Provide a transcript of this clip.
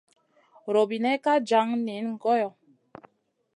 Robinena ka jan niyna goyo.